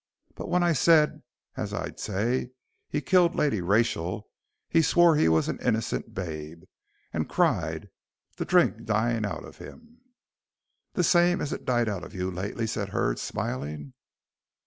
But when I said, as I'd say, he'd killed Lady Rachel, he swore he was an innercent babe, and cried, the drink dyin' out of him." "The same as it died out of you lately," said Hurd, smiling.